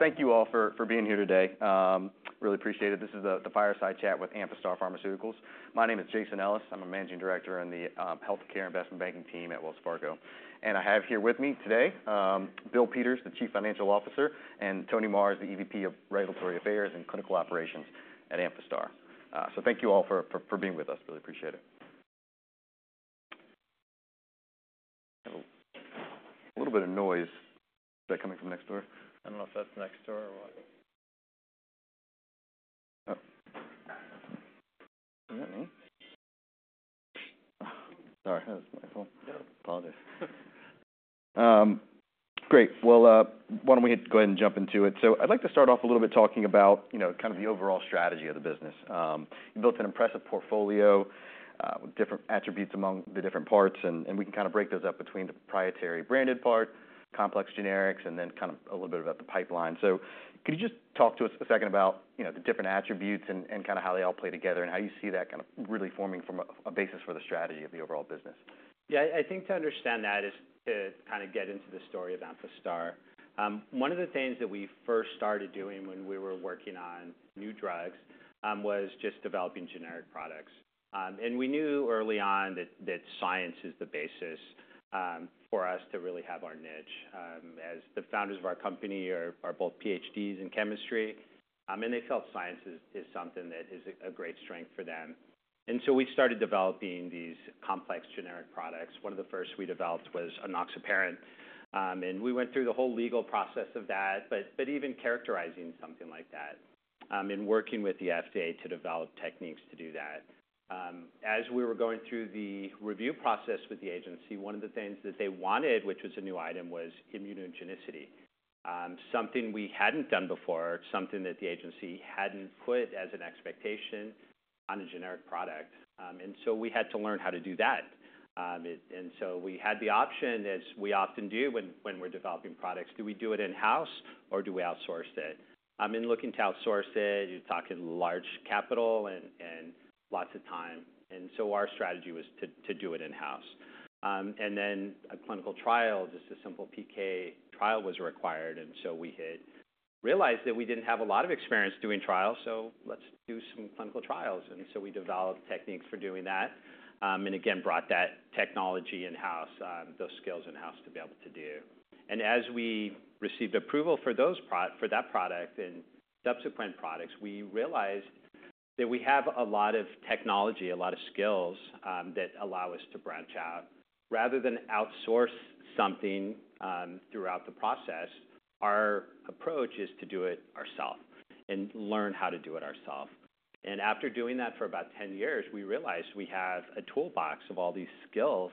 Thank you all for being here today. Really appreciate it. This is the Fireside Chat with Amphastar Pharmaceuticals. My name is Jason Ellis. I'm a Managing Director in the Healthcare Investment Banking team at Wells Fargo. And I have here with me today Bill Peters, the Chief Financial Officer, and Tony Marrs, the EVP of Regulatory Affairs and Clinical Operations at Amphastar. Thank you all for being with us. Really appreciate it. A little bit of noise. Is that coming from next door? I don't know if that's next door or what. Oh, is that me? Sorry, that was my phone. Yep. Great. Why don't we go ahead and jump into it? I'd like to start off a little bit talking about, kind of the overall strategy of the business. You built an impressive portfolio with different attributes among the different parts, and we can kind of break those up between the proprietary branded part, complex generics, and then kind of a little bit about the pipeline. Could you just talk to us a second about, the different attributes and kind of how they all play together, and how you see that kind of really forming from a basis for the strategy of the overall business? Yeah, To understand that is to kind of get into the story of Amphastar. One of the things that we first started doing when we were working on new drugs was just developing generic products, and we knew early on that science is the basis for us to really have our niche. As the founders of our company are both PhDs in chemistry, and they felt science is something that is a great strength for them, so we started developing these complex generic products. One of the first we developed was enoxaparin, and we went through the whole legal process of that, but even characterizing something like that and working with the FDA to develop techniques to do that. As we were going through the review process with the agency, one of the things that they wanted, which was a new item, was immunogenicity. Something we hadn't done before, something that the agency hadn't put as an expectation on a generic product, and so we had to learn how to do that. And so we had the option, as we often do when we're developing products: Do we do it in-house or do we outsource it? In looking to outsource it, you're talking large capital and lots of time, and so our strategy was to do it in-house, and then a clinical trial, just a simple PK trial, was required, and so we had realized that we didn't have a lot of experience doing trials, so let's do some clinical trials. And so we developed techniques for doing that, and again, brought that technology in-house, those skills in-house to be able to do. And as we received approval for those for that product and subsequent products, we realized that we have a lot of technology, a lot of skills, that allow us to branch out. Rather than outsource something, throughout the process, our approach is to do it ourself and learn how to do it ourself. And after doing that for about 10 years, we realized we have a toolbox of all these skills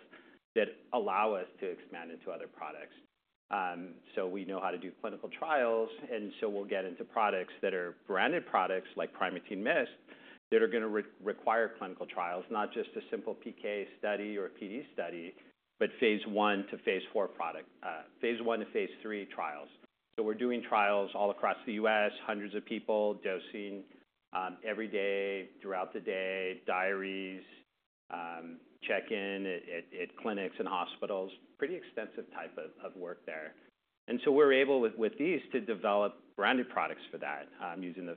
that allow us to expand into other products. We know how to do clinical trials, and so we'll get into products that are branded products, like Primatene Mist, that are going to require clinical trials, not just a simple PK study or a PD study, but phase I to phase III trials. We're doing trials all across the U.S., hundreds of people, dosing every day throughout the day, diaries, check-in at clinics and hospitals. Pretty extensive type of work there. We're able, with these, to develop branded products for that, using the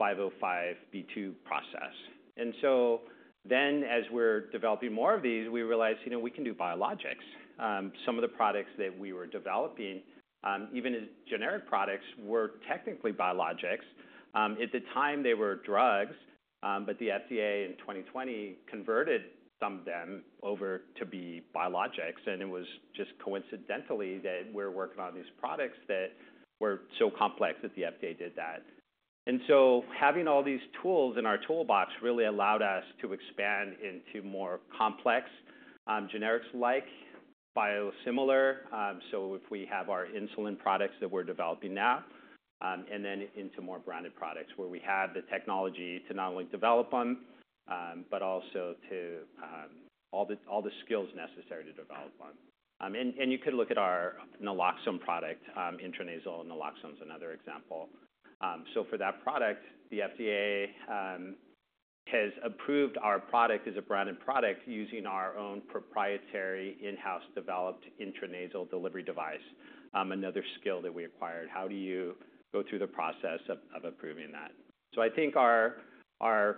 505(b)(2) process. Then, as we're developing more of these, we realize, we can do biologics. Some of the products that we were developing, even as generic products, were technically biologics. At the time, they were drugs, but the FDA in 2020 converted some of them over to be biologics, and it was just coincidentally that we're working on these products that were so complex that the FDA did that. Having all these tools in our toolbox really allowed us to expand into more complex generics like biosimilar. So if we have our insulin products that we're developing now, and then into more branded products, where we have the technology to not only develop them, but also to all the skills necessary to develop them. You could look at our naloxone product. Intranasal naloxone is another example. So for that product, the FDA has approved our product as a branded product using our own proprietary, in-house developed intranasal delivery device. Another skill that we acquired: How do you go through the process of approving that? Our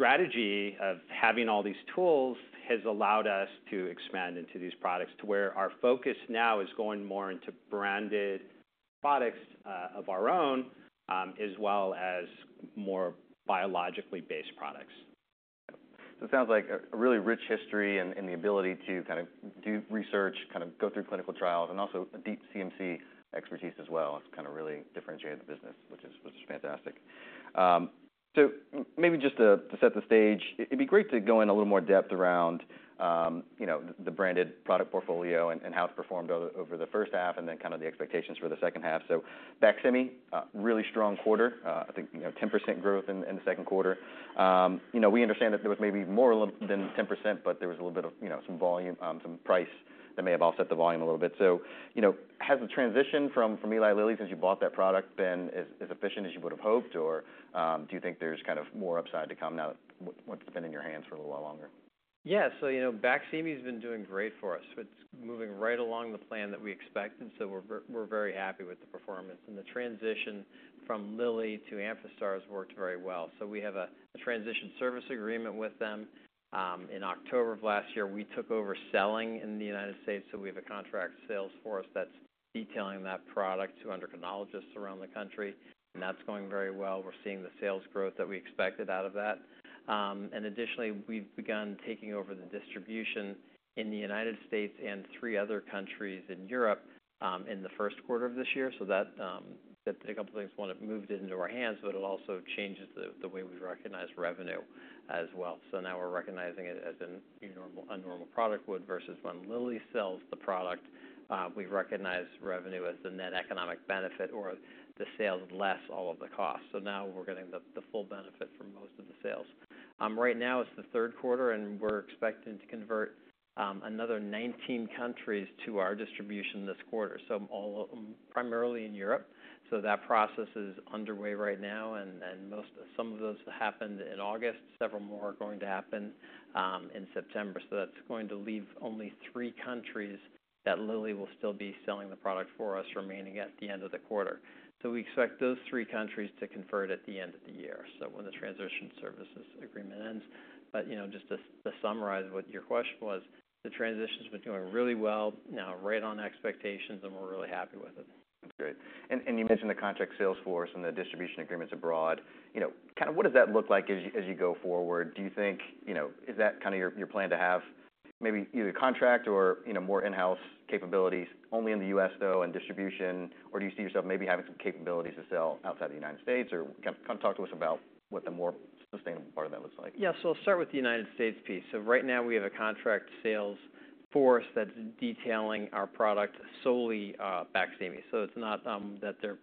strategy of having all these tools has allowed us to expand into these products, to where our focus now is going more into branded products of our own, as well as more biologically based products. It sounds like a really rich history and the ability to kind of do research, kind of go through clinical trials, and also a deep CMC expertise as well. It's kind of really differentiated the business, which is fantastic. Maybe just to set the stage, it'd be great to go in a little more depth around the branded product portfolio and how it's performed over the first half, and then kind of the expectations for the second half. Baqsimi really strong quarter, 10% growth in the Q2. We understand that there was maybe more or less than 10%, but there was a little bit of some volume, some price that may have offset the volume a little bit. Has the transition from Eli Lilly, since you bought that product, been as efficient as you would have hoped? Or, do you think there's kind of more upside to come now what's been in your hands for a little while longer? Baqsimi's been doing great for us. It's moving right along the plan that we expected, so we're very happy with the performance. And the transition from Lilly to Amphastar has worked very well. So we have a transition service agreement with them. In October of last year, we took over selling in the United States, so we have a contract sales force that's detailing that product to endocrinologists around the country, and that's going very well. We're seeing the sales growth that we expected out of that. And additionally, we've begun taking over the distribution in the United States and three other countries in Europe, in the Q1 of this year. So that, a couple things, one, it moved it into our hands, but it also changes the way we recognize revenue as well. Now we're recognizing it as a normal product would, versus when Lilly sells the product, we recognize revenue as the net economic benefit or the sales less all of the costs. So now we're getting the full benefit from most of the sales. Right now, it's the Q3, and we're expecting to convert another 19 countries to our distribution this quarter, so primarily in Europe. So that process is underway right now, and some of those happened in August. Several more are going to happen in September. So that's going to leave only three countries that Lilly will still be selling the product for us, remaining at the end of the quarter. So we expect those three countries to convert at the end of the year, so when the transition services agreement ends. To summarize what your question was, the transition's been doing really well, now right on expectations, and we're really happy with it. Great. You mentioned the contract sales force and the distribution agreements abroad, kind of what does that look like as you go forward? Do you think, is that kind of your plan, to have maybe either contract or more in-house capabilities, only in the U.S., though, and distribution? Or do you see yourself maybe having some capabilities to sell outside the United States? Or kind of talk to us about what the more sustainable part of that looks like. I'll start with the United States piece. So right now, we have a contract sales force that's detailing our product, solely, Baqsimi. So it's not that they're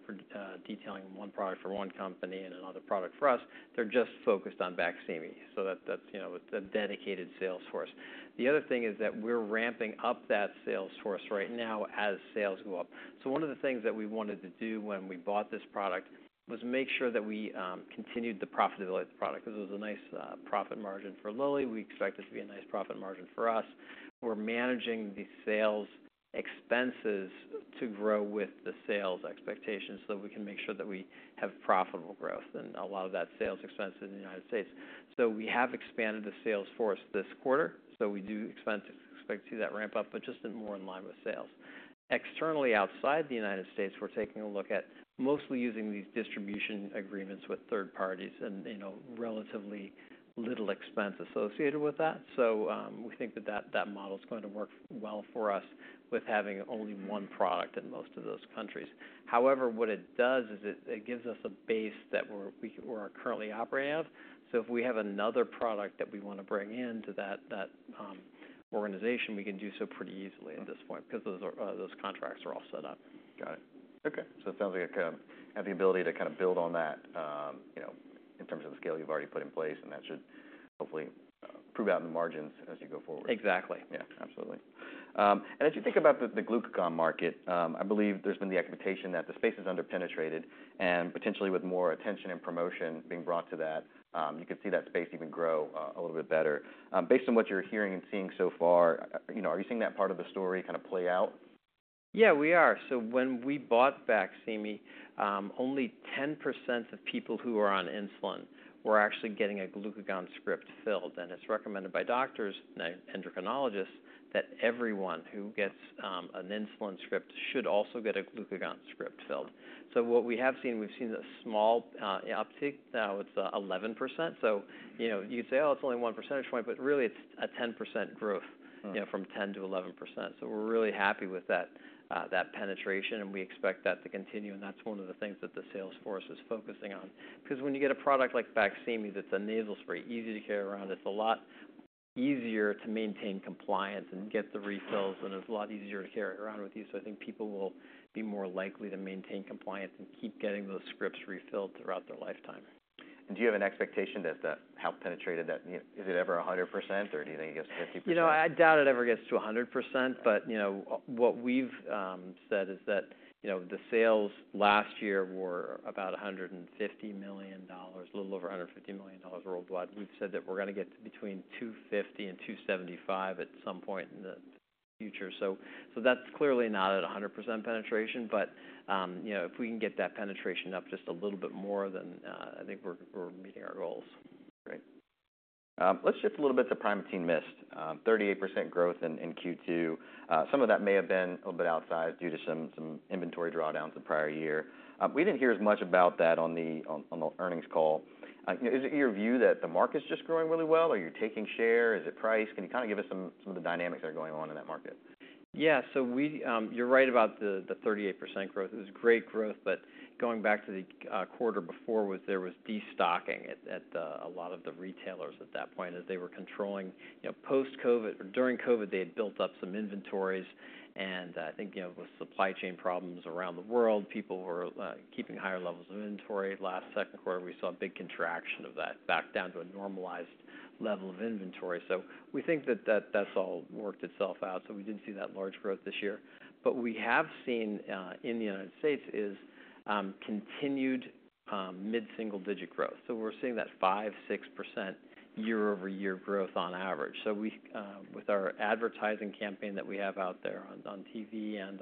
detailing one product for one company and another product for us, they're just focused on Baqsimi. That's a dedicated sales force. The other thing is that we're ramping up that sales force right now as sales go up. So one of the things that we wanted to do when we bought this product was make sure that we continued the profitability of the product, 'cause it was a nice profit margin for Lilly. We expect it to be a nice profit margin for us. We're managing the sales expenses to grow with the sales expectations, so we can make sure that we have profitable growth and a lot of that sales expense is in the United States. So we have expanded the sales force this quarter, so we do expect to see that ramp up, but just more in line with sales. Externally, outside the United States, we're taking a look at mostly using these distribution agreements with third parties and relatively little expense associated with that. We think that that model is going to work well for us with having only one product in most of those countries. However, what it does is it gives us a base that we are currently operating out of. If we have another product that we want to bring into that organization, we can do so pretty easily at this point, because those contracts are all set up. Got it. It sounds like you kind of have the ability to kind of build on that in terms of the scale you've already put in place, and that should hopefully prove out in the margins as you go forward. Exactly. Absolutely, and as you think about the glucagon market, I believe there's been the expectation that the space is underpenetrated and potentially with more attention and promotion being brought to that, you could see that space even grow a little bit better. Based on what you're hearing and seeing so far, are you seeing that part of the story kind of play out? Yeah, we are. When we bought Baqsimi, only 10% of people who were on insulin were actually getting a glucagon script filled. And it's recommended by doctors and endocrinologists that everyone who gets an insulin script should also get a glucagon script filled. So what we have seen, we've seen a small uptick. Now it's 11%. You'd say, "Oh, it's only one percentage point," but really it's a 10% growth from 10% to 11%. We're really happy with that, that penetration, and we expect that to continue, and that's one of the things that the sales force is focusing on. Because when you get a product like Baqsimi, that's a nasal spray, easy to carry around, it's a lot easier to maintain compliance and get the refills, and it's a lot easier to carry around with you. People will be more likely to maintain compliance and keep getting those scripts refilled throughout their lifetime. Do you have an expectation that how penetrated that, is it ever 100%, or do you think it gets to 50%? I doubt it ever gets to 100%. What we've said is that the sales last year were about $150 million, a little over $150 million worldwide. We've said that we're gonna get to between $250 million and 275 million at some point in the future. So that's clearly not at 100% penetration, but if we can get that penetration up just a little bit more, then We're meeting our goals. Great. Let's shift a little bit to Primatene Mist. 38% growth in Q2. Some of that may have been a little bit outside due to some inventory drawdowns the prior year. We didn't hear as much about that on the earnings call. Is it your view that the market's just growing really well, or you're taking share? Is it price? Can you kind of give us some of the dynamics that are going on in that market? You're right about the 38% growth. It was great growth, but going back to the quarter before, there was destocking at a lot of the retailers at that point, as they were controlling, post-COVID, during COVID, they had built up some inventories, and With supply chain problems around the world, people were keeping higher levels of inventory. Last Q2, we saw a big contraction of that, back down to a normalized level of inventory. So we think that that's all worked itself out, so we didn't see that large growth this year. But we have seen in the United States continued mid-single digit growth. So we're seeing that 5-6% year-over-year growth on average. We, with our advertising campaign that we have out there on TV and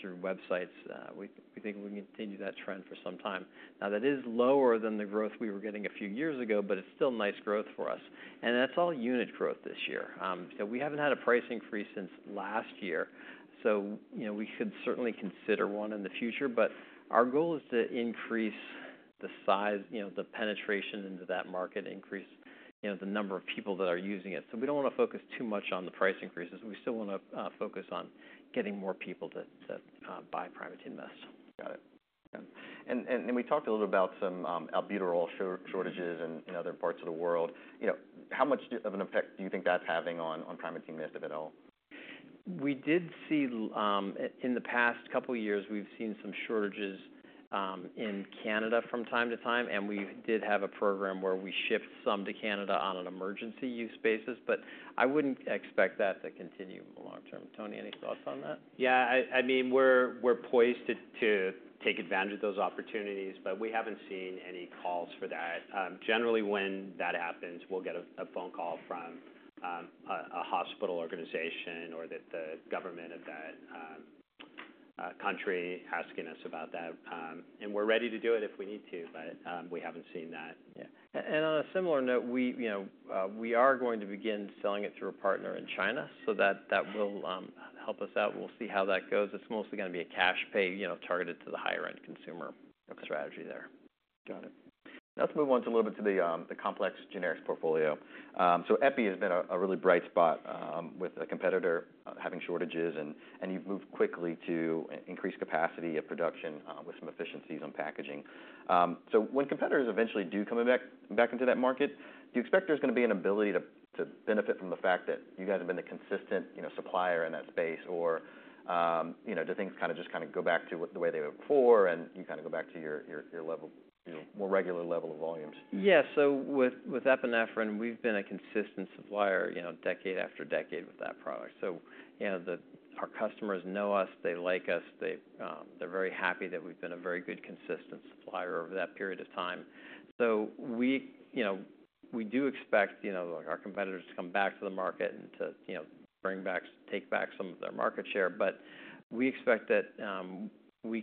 through websites, we think we can continue that trend for some time. Now, that is lower than the growth we were getting a few years ago, but it's still nice growth for us, and that's all unit growth this year. So, we haven't had a pricing increase since last year. We should certainly consider one in the future, but our goal is to increase the size the penetration into that market increase the number of people that are using it. So we don't wanna focus too much on the price increases. We still wanna focus on getting more people to buy Primatene Mist. Got it. Yeah. And, and then we talked a little about some albuterol shortages in other parts of the world. How much of an effect do you think that's having on Primatene Mist, if at all? We did see, in the past couple of years, we've seen some shortages, in Canada from time to time, and we did have a program where we shipped some to Canada on an emergency use basis, but I wouldn't expect that to continue in the long term. Tony, any thoughts on that? Yeah, We're poised to take advantage of those opportunities, but we haven't seen any calls for that. Generally, when that happens, we'll get a phone call from a hospital organization or the government of that country asking us about that, and we're ready to do it if we need to, but we haven't seen that yet. On a similar note, we are going to begin selling it through a partner in China, so that will help us out. We'll see how that goes. It's mostly gonna be a cash pay, targeted to the higher-end consumer strategy there. Let's move on to a little bit to the complex generics portfolio. So Epi has been a really bright spot with a competitor having shortages, and you've moved quickly to increase capacity of production with some efficiencies on packaging. So when competitors eventually do come back into that market, do you expect there's gonna be an ability to benefit from the fact that you guys have been the consistent supplier in that space? Or do things kinda just go back to the way they were before, and you kinda go back to your level, more regular level of volumes? With epinephrine, we've been a consistent supplier, decade after decade with that product. Our customers know us, they like us, they, they're very happy that we've been a very good, consistent supplier over that period of time. We do expect, our competitors to come back to the market and to take back some of their market share. But we expect that, we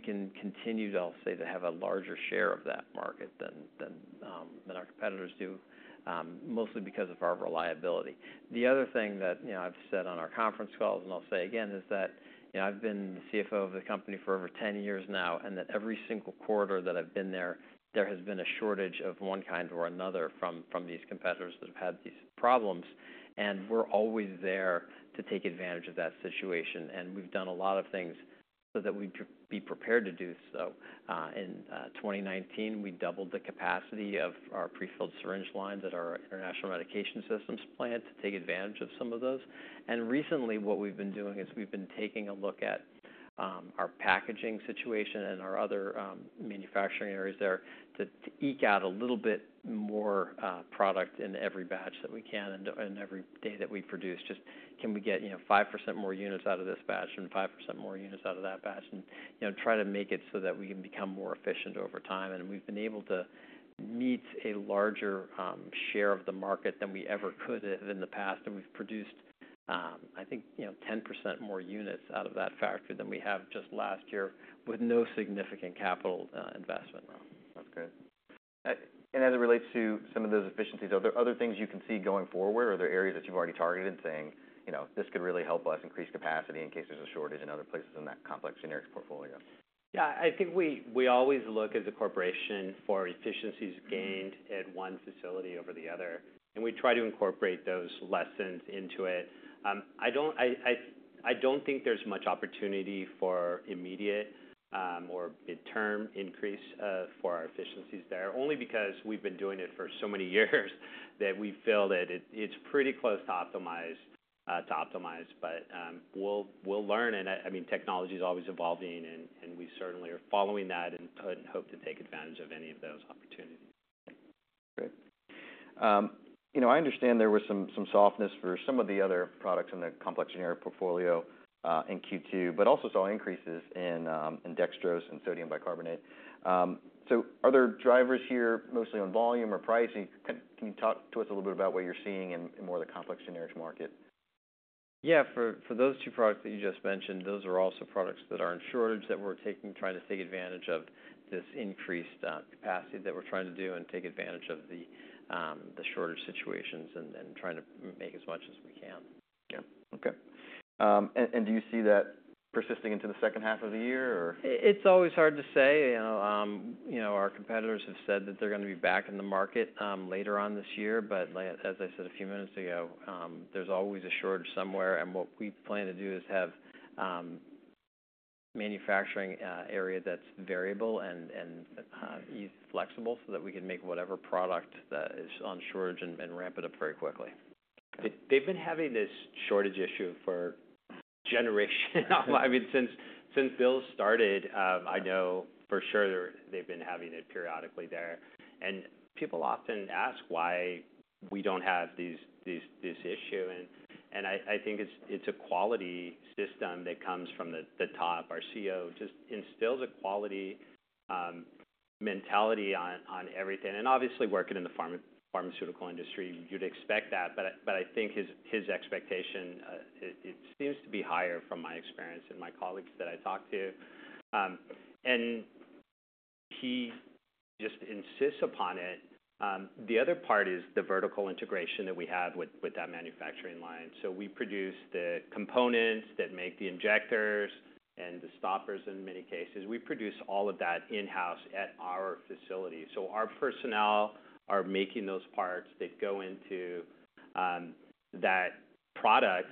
can continue to, I'll say, to have a larger share of that market than, than our competitors do, mostly because of our reliability. The other thing that, I've said on our conference calls, and I'll say again, is that i've been the CFO of the company for over 10 years now, and that every single quarter that I've been there, there has been a shortage of one kind or another from these competitors that have had these problems, and we're always there to take advantage of that situation, and we've done a lot of things so that we'd be prepared to do so. In 2019, we doubled the capacity of our prefilled syringe lines at our International Medication Systems plant to take advantage of some of those. Recently, what we've been doing is we've been taking a look at our packaging situation and our other manufacturing areas there, to eke out a little bit more product in every batch that we can and every day that we produce. Just, can we get 5% more units out of this batch and 5% more units out of that batch? Try to make it so that we can become more efficient over time. We've been able to meet a larger share of the market than we ever could have in the past. And we've produced, 10% more units out of that factory than we have just last year, with no significant capital investment. That's great. And as it relates to some of those efficiencies, are there other things you can see going forward? Are there areas that you've already targeted, saying, "You know, this could really help us increase capacity in case there's a shortage in other places in that complex generics portfolio? We always look as a corporation for efficiencies gained at one facility over the other, and we try to incorporate those lessons into it. I don't think there's much opportunity for immediate or midterm increase for our efficiencies there, only because we've been doing it for so many years that we feel that it's pretty close to optimized. But we'll learn, and I mean, technology is always evolving, and we certainly are following that and hope to take advantage of any of those opportunities. Great. I understand there was some softness for some of the other products in the complex generic portfolio in Q2, but also saw increases in dextrose and sodium bicarbonate. Are there drivers here, mostly on volume or pricing? Can you talk to us a little bit about what you're seeing in more of the complex generics market? Yeah. For those two products that you just mentioned, those are also products that are in shortage that we're trying to take advantage of this increased capacity that we're trying to do and take advantage of the shortage situations and then trying to make as much as we can. Do you see that persisting into the second half of the year, or? It's always hard to say. Our competitors have said that they're gonna be back in the market, later on this year. Like, as I said a few minutes ago, there's always a shortage somewhere, and what we plan to do is have, manufacturing, area that's variable and, and, flexible, so that we can make whatever product that is on shortage and, and ramp it up very quickly. They've been having this shortage issue for generations. I mean, since Bill started, I know for sure they've been having it periodically there. People often ask why we don't have this issue, and it's a quality system that comes from the top. Our CEO just instills a quality mentality on everything. And obviously, working in the pharmaceutical industry, you'd expect that, but his expectation it seems to be higher from my experience and my colleagues that I talk to. And he just insists upon it. The other part is the vertical integration that we have with that manufacturing line. So we produce the components that make the injectables and the stoppers in many cases. We produce all of that in-house at our facility, so our personnel are making those parts that go into that product,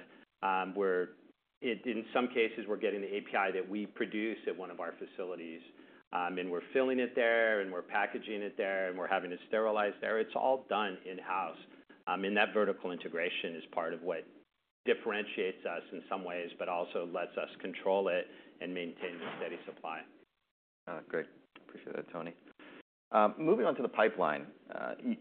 in some cases, we're getting the API that we produce at one of our facilities. And we're filling it there, and we're packaging it there, and we're having it sterilized there. It's all done in-house. And that vertical integration is part of what differentiates us in some ways, but also lets us control it and maintain a steady supply. Great. Appreciate that, Tony. Moving on to the pipeline.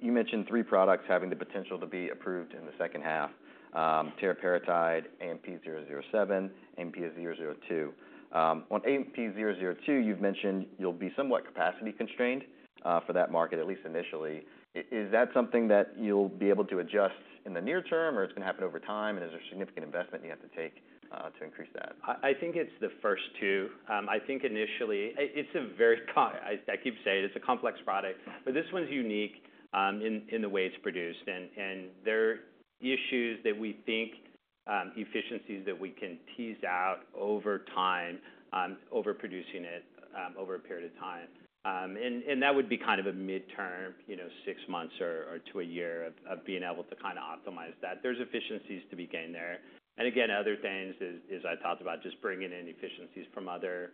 You mentioned three products having the potential to be approved in the second half, teriparatide, AMP-007, AMP-002. On AMP-002, you've mentioned you'll be somewhat capacity constrained for that market, at least initially. Is that something that you'll be able to adjust in the near term, or it's gonna happen over time? And is there significant investment you have to take to increase that? It's the first two. Initially, it's a very complex product, but this one's unique in the way it's produced. And there are issues that we think efficiencies that we can tease out over time over producing it over a period of time. And that would be kind of a midterm, six months or to a year of being able to kinda optimize that. There's efficiencies to be gained there. And again, other things is I talked about just bringing in efficiencies from other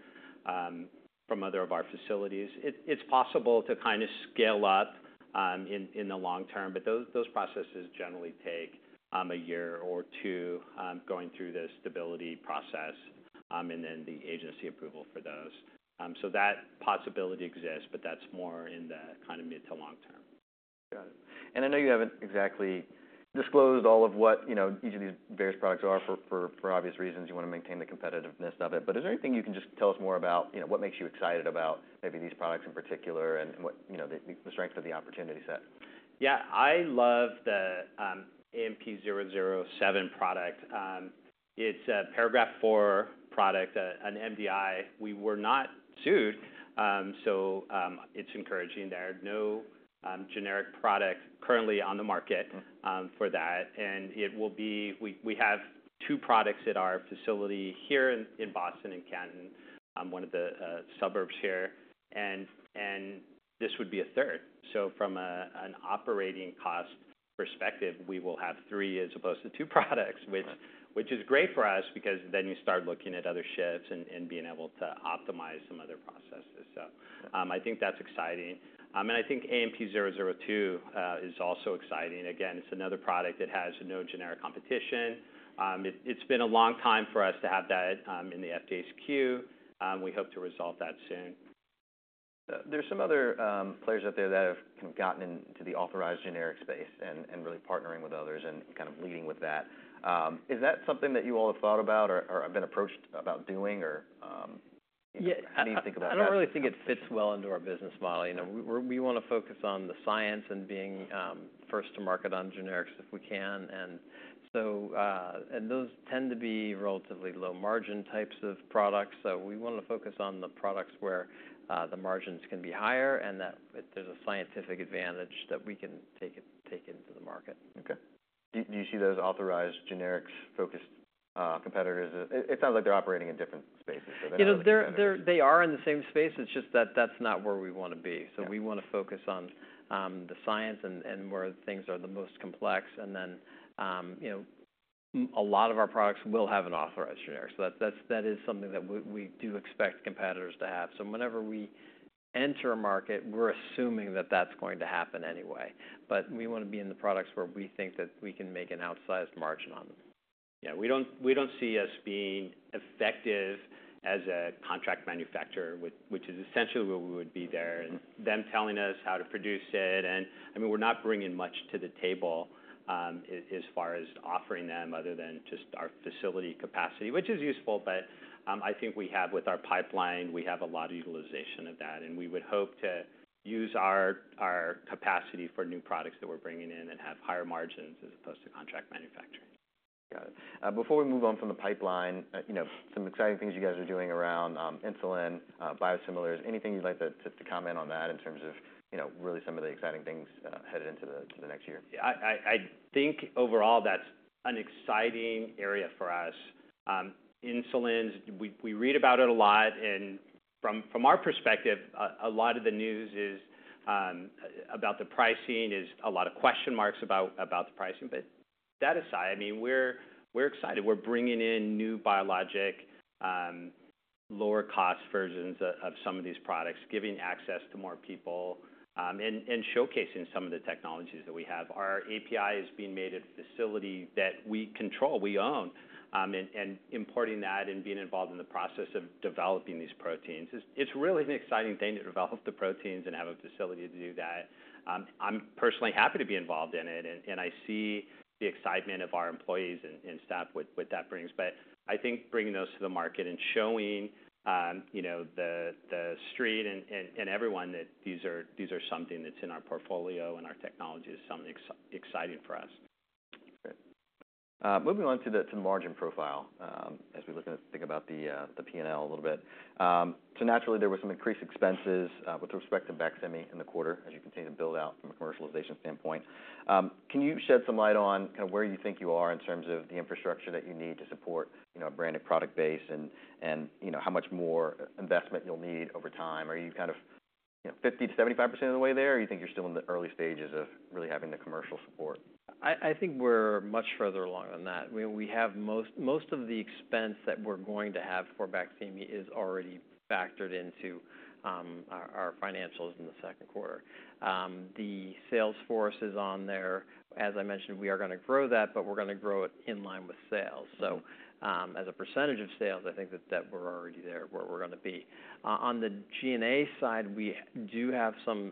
of our facilities. It's possible to kind of scale up in the long term, but those processes generally take a year or two, going through the stability process, and then the agency approval for those. So that possibility exists, but that's more in the kind of mid to long term. Got it. I know you haven't exactly disclosed all of what each of these various products are for, for obvious reasons. You wanna maintain the competitiveness of it. But is there anything you can just tell us more about what makes you excited about maybe these products in particular and what the strength of the opportunity set? Yeah. I love the AMP-007 product. It's a Paragraph IV product, an MDI. We were not sued, so it's encouraging. There are no generic product currently on the market for that. We have two products at our facility here in Boston, in Canton, one of the suburbs here, and this would be a third. So from an operating cost perspective, we will have three as opposed to two products which is great for us because then you start looking at other shifts and being able to optimize some other processes. That's exciting. AMP-002 is also exciting. Again, it's another product that has no generic competition.It's been a long time for us to have that in the FDA's queue. We hope to resolve that soon. There's some other players out there that have kind of gotten into the authorized generic space and really partnering with others and kind of leading with that. Is that something that you all have thought about or have been approached about doing, or how do you think about that? I don't really think it fits well into our business model. We wanna focus on the science and being first to market on generics if we can. And so, and those tend to be relatively low margin types of products. So we wanna focus on the products where the margins can be higher, and that there's a scientific advantage that we can take into the market. Okay. Do you see those authorized generics-focused competitors? It sounds like they're operating in different spaces, so they're not- They are in the same space, it's just that that's not where we wanna be. Yeah. We want to focus on the science and where things are the most complex. A lot of our products will have an authorized generic. So that's something that we do expect competitors to have. Whenever we enter a market, we're assuming that that's going to happen anyway. We want to be in the products where we think that we can make an outsized margin on them. Yeah, we don't see us being effective as a contract manufacturer, which is essentially where we would be there, and them telling us how to produce it. We're not bringing much to the table, as far as offering them, other than just our facility capacity, which is useful. We have, with our pipeline, we have a lot of utilization of that, and we would hope to use our capacity for new products that we're bringing in and have higher margins as opposed to contract manufacturing. Before we move on from the pipeline, some exciting things you guys are doing around insulin biosimilars. Anything you'd like to just comment on that in terms of really some of the exciting things headed into the next year? Overall, that's an exciting area for us. Insulins, we read about it a lot, and from our perspective, a lot of the news is about the pricing. There's a lot of question marks about the pricing. But that aside, I mean, we're excited. We're bringing in new biologic lower-cost versions of some of these products, giving access to more people, and showcasing some of the technologies that we have. Our API is being made at a facility that we control, we own, and importing that and being involved in the process of developing these proteins. It's really an exciting thing to develop the proteins and have a facility to do that. I'm personally happy to be involved in it, and I see the excitement of our employees and staff with what that brings. Bringing those to the market and showing, the Street and everyone that these are something that's in our portfolio and our technology is something exciting for us. Great. Moving on to the margin profile, as we think about the P&L a little bit. So naturally, there was some increased expenses with respect to Baqsimi in the quarter, as you continue to build out from a commercialization standpoint. Can you shed some light on kind of where you think you are in terms of the infrastructure that you need to support, a branded product base and how much more investment you'll need over time? Are you kind of 50% to 75% of the way there, or you think you're still in the early stages of really having the commercial support? We're much further along than that. We have most of the expense that we're going to have for Baqsimi is already factored into our financials in the Q2. The sales force is on there. As I mentioned, we are gonna grow that, but we're gonna grow it in line with sales. So, as a percentage of sales, that we're already there, where we're gonna be. On the G&A side, we do have some,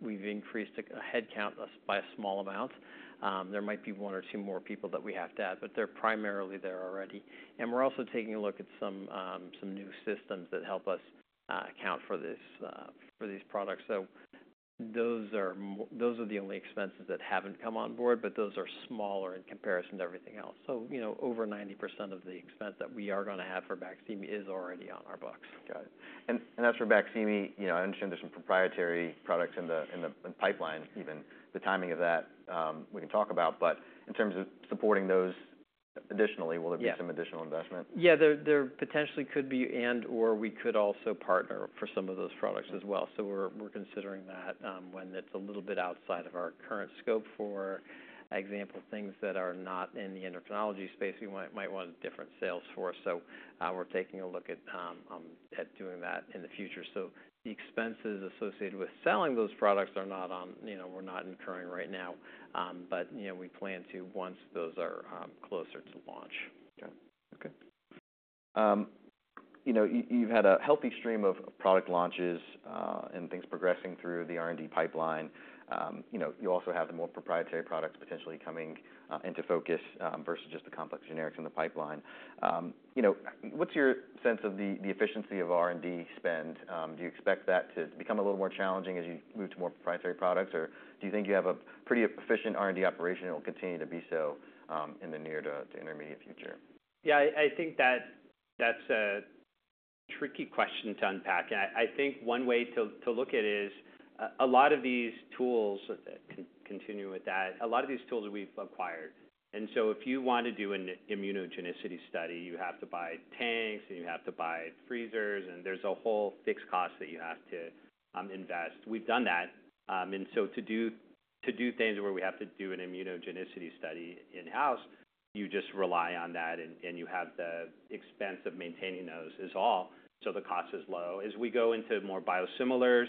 we've increased a headcount by a small amount. There might be one or two more people that we have to add, but they're primarily there already. We're also taking a look at some new systems that help us account for this, for these products. Those are the only expenses that haven't come on board, but those are smaller in comparison to everything else. Over 90% of the expense that we are gonna have for Baqsimi is already on our books. Got it. And, as for Baqsimi, I understand there's some proprietary products in the pipeline, even the timing of that, we can talk about. But in terms of supporting those additionally [crossralk]. Yeah Will there be some additional investment? Yeah, there potentially could be, and/or we could also partner for some of those products as well. So we're considering that, when it's a little bit outside of our current scope. For example, things that are not in the endocrinology space, we might want a different sales force. So, we're taking a look at doing that in the future. So the expenses associated with selling those products are not on, we're not incurring right now, but we plan to once those are closer to launch. You've had a healthy stream of product launches, and things progressing through the R&D pipeline. You also have the more proprietary products potentially coming into focus, versus just the complex generics in the pipeline. What's your sense of the efficiency of R&D spend? Do you expect that to become a little more challenging as you move to more proprietary products, or do you think you have a pretty efficient R&D operation that will continue to be so, in the near to intermediate future? That's a tricky question to unpack, and One way to look at it is a lot of these tools we've acquired, and so if you want to do an immunogenicity study, you have to buy tanks, and you have to buy freezers, and there's a whole fixed cost that you have to invest. We've done that, and so to do things where we have to do an immunogenicity study in-house, you just rely on that, and you have the expense of maintaining those is all, so the cost is low. As we go into more biosimilars,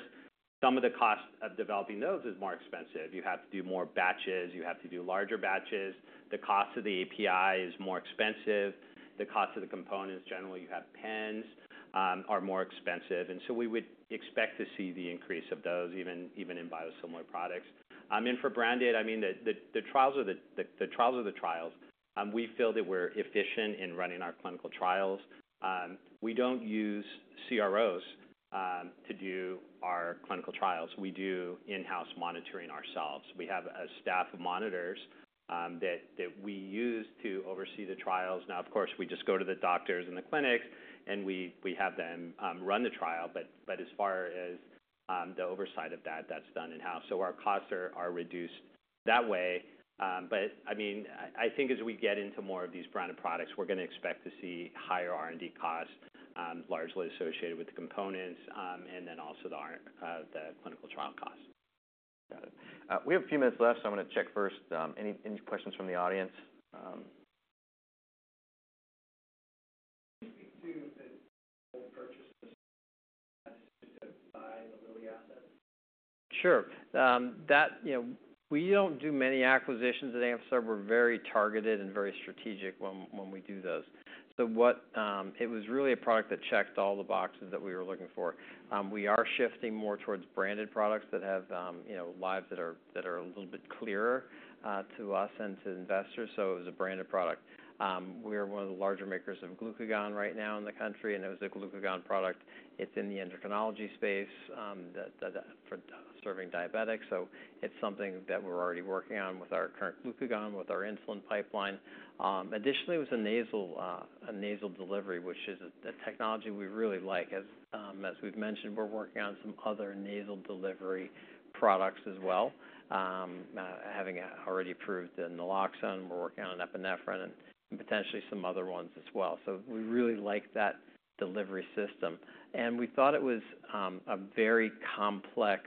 some of the cost of developing those is more expensive. You have to do more batches. You have to do larger batches. The cost of the API is more expensive. The cost of the components, generally, you have pens, are more expensive, and so we would expect to see the increase of those even in biosimilar products, and for branded, I mean, the trials are the trials. We feel that we're efficient in running our clinical trials. We don't use CROs to do our clinical trials. We do in-house monitoring ourselves. We have a staff of monitors that we use to oversee the trials. Now, of course, we just go to the doctors and the clinics, and we have them run the trial, but as far as the oversight of that, that's done in-house. So our costs are reduced that way. As we get into more of these branded products, we're gonna expect to see higher R&D costs, largely associated with the components, and then also the clinical trial costs. Got it. We have a few minutes left, so I'm gonna check first. Any questions from the audience? Can you speak to the whole process to buy Lilly assets? Sure. We don't do many acquisitions at Amphastar. We're very targeted and very strategic when we do those. It was really a product that checked all the boxes that we were looking for. We are shifting more towards branded products that have lives that are a little bit clearer to us and to investors, so it was a branded product. We are one of the larger makers of glucagon right now in the country, and it was a glucagon product. It's in the endocrinology space, that for serving diabetics, so it's something that we're already working on with our current glucagon, with our insulin pipeline. Additionally, it was a nasal delivery, which is a technology we really like. As, as we've mentioned, we're working on some other nasal delivery products as well. Having already approved the naloxone, we're working on epinephrine and potentially some other ones as well. We really like that delivery system, and we thought it was a very complex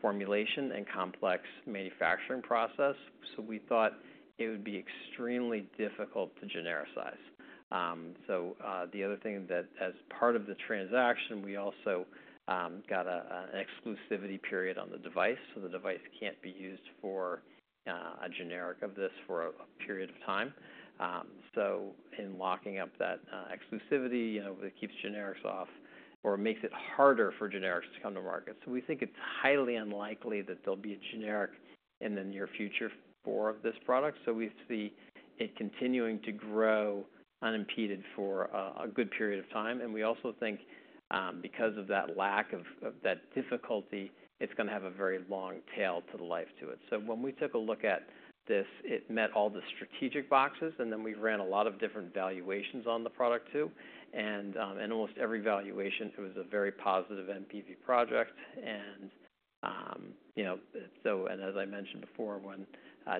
formulation and complex manufacturing process, so we thought it would be extremely difficult to genericize. The other thing that, as part of the transaction, we also got an exclusivity period on the device, so the device can't be used for a generic of this for a period of time. In locking up that exclusivity, it keeps generics off or makes it harder for generics to come to market. We think it's highly unlikely that there'll be a generic in the near future for this product. We see it continuing to grow unimpeded for a good period of time. We also think, because of that lack of that difficulty, it's gonna have a very long tail to the life to it. When we took a look at this, it met all the strategic boxes, and then we ran a lot of different valuations on the product too. And, and almost every valuation, it was a very positive NPV project. As I mentioned before, when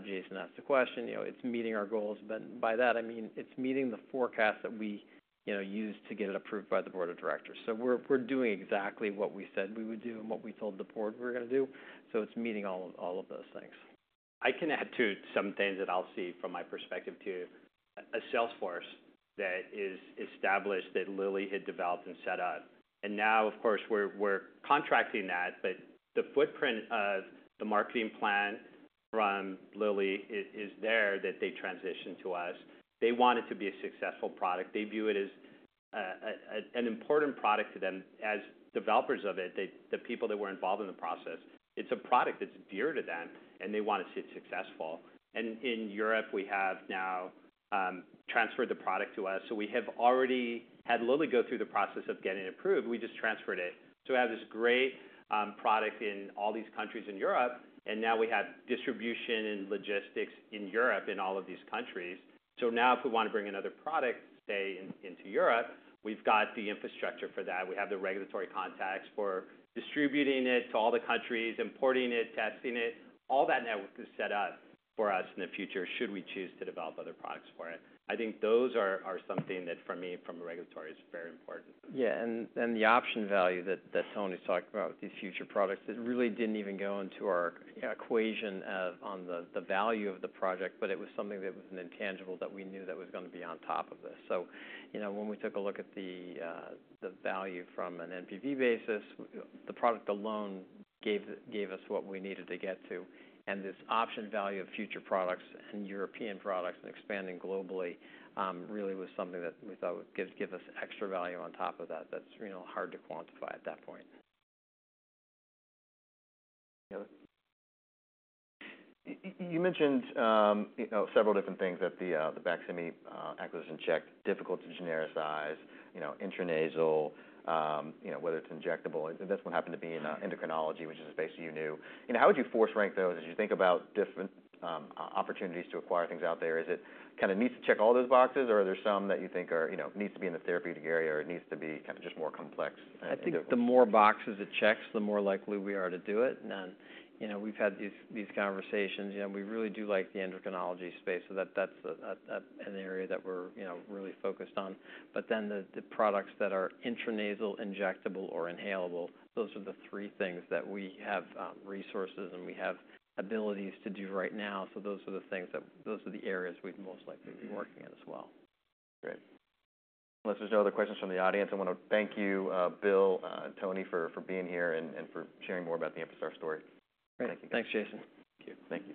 Jason asked the question, it's meeting our goals. But by that, I mean, it's meeting the forecast that we use to get it approved by the board of directors. We're doing exactly what we said we would do and what we told the board we're gonna do, so it's meeting all of those things. I can add to some things that I'll see from my perspective, too. A Salesforce that is established, that Lilly had developed and set up, and now, of course, we're contracting that. But the footprint of the marketing plan from Lilly is there that they transitioned to us. They want it to be a successful product. They view it as an important product to them. As developers of it, they, the people that were involved in the process, it's a product that's dear to them, and they want to see it successful. And in Europe, we have now transferred the product to us. We have already had Lilly go through the process of getting it approved. We just transferred it. We have this great product in all these countries in Europe, and now we have distribution and logistics in Europe, in all of these countries. Now, if we want to bring another product, say, into Europe, we've got the infrastructure for that. We have the regulatory contacts for distributing it to all the countries, importing it, testing it. All that network is set up for us in the future, should we choose to develop other products for it. Those are something that for me, from a regulatory, is very important. Yeah, the option value that Tony talked about, these future products, it really didn't even go into our equation of the value of the project, but it was something that was an intangible that we knew that was gonna be on top of this. When we took a look at the value from an NPV basis, the product alone gave us what we needed to get to. And this option value of future products and European products and expanding globally, really was something that we thought would give us extra value on top of that, that's hard to quantify at that point. Yeah. You mentioned several different things that the Baqsimi acquisition checked: difficult to genericize, intranasal, whether it's injectable. This one happened to be in endocrinology, which is a space you knew. How would you force rank those as you think about different opportunities to acquire things out there? Is it kind of needs to check all those boxes, or are there some that you think are needs to be in the therapeutic area, or it needs to be kind of just more complex than- The more boxes it checks, the more likely we are to do it. We've had these conversations, we really do like the endocrinology space, so that's an area that we're, really focused on. But then the products that are intranasal, injectable, or inhalable, those are the three things that we have resources and we have abilities to do right now. Those are the things that those are the areas we'd most likely be working in as well. Great. Unless there's no other questions from the audience, I want to thank you, Bill, Tony, for being here and for sharing more about the Amphastar story. Great. Thank you. Thanks, Jason. Thank you.